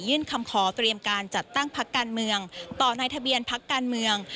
คำขอเตรียมการจัดตั้งพักการเมืองต่อในทะเบียนพักการเมือง